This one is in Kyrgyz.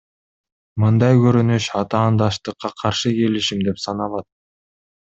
Мындай көрүнүш атаандаштыкка каршы келишим деп саналат.